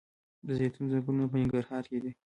د زیتون ځنګلونه په ننګرهار کې دي؟